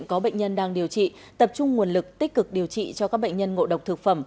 có bệnh nhân đang điều trị tập trung nguồn lực tích cực điều trị cho các bệnh nhân ngộ độc thực phẩm